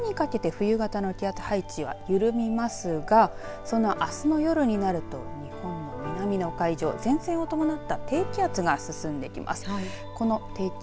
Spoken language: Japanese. そして、あすにかけて冬型の気圧配置は緩みますがそのあすの夜になると日本の南の海上前線を伴った低気圧が進んできます。